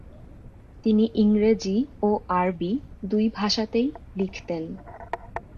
তিনি ইংরেজি ও আরবি দুই ভাষাতেই লিখতেন।